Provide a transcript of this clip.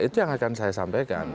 itu yang akan saya sampaikan